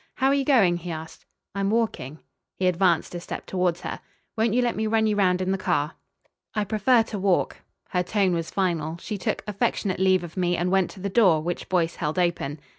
"How are you going?" he asked. "I'm walking." He advanced a step towards her. "Won't you let me run you round in the car?" "I prefer to walk." Her tone was final. She took affectionate leave of me and went to the door, which Boyce held open.